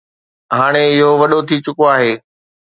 هاڻي اهو وڏو ٿي چڪو آهي